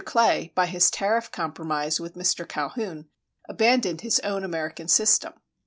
Clay, by his tariff compromise with Mr. Calhoun, abandoned his own American system.